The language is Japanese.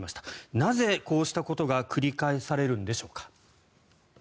なぜこうしたことが繰り返されるんでしょうか。